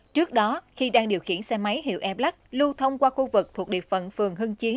trước đó khi đang điều khiển xe máy hiệu e black lưu thông qua khu vực thuộc địa phận phường hưng chiến